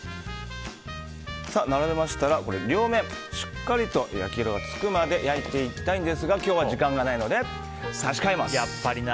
並べましたら、両面しっかりと焼き色がつくまで焼いていきたいんですが今日は時間がないのでやっぱりな。